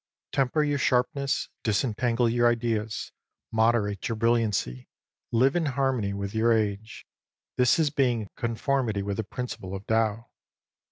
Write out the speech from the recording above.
Temner your sharpness, disentangle your ideas, moderate your brilliancy, live in harmony with your age. This is being in conformity with the principle of Tao.